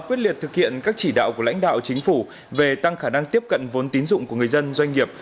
thủ tướng chính phủ vừa thực hiện các chỉ đạo của lãnh đạo chính phủ về tăng khả năng tiếp cận vốn tín dụng của người dân doanh nghiệp